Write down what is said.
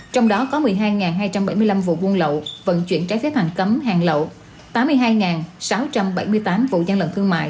trong đó có một mươi hai hai trăm bảy mươi năm vụ buôn lậu vận chuyển trái phép hàng cấm hàng lậu tám mươi hai sáu trăm bảy mươi tám vụ gian lận thương mại